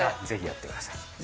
ぜひやってください。